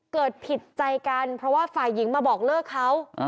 เกิดผิดใจกันเพราะว่าฝ่ายหญิงมาบอกเลิกเขา